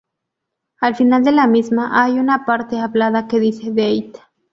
Al final de la misma hay una parte hablada que dice "Death?